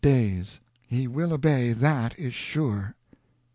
days. "He will obey. That is sure."